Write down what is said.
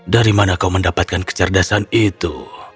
dari mana kau mendapatkan kecerdasan itu